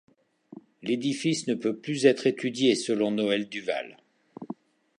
L'édifice ne peut plus être étudié selon Noël Duval.